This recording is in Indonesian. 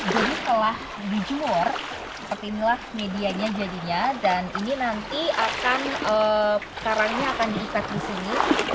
jadi setelah dijemur seperti inilah medianya jadinya dan ini nanti akan karangnya akan diikat di sini